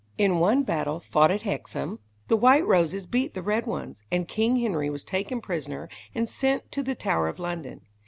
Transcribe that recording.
In one battle, fought at Hexham, the White Roses beat the Red ones, and King Henry was taken prisoner and sent to the Tower of London.